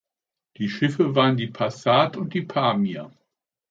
Die Schiffe waren die "Passat" und die "Pamir".